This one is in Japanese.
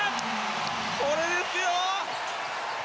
これですよ！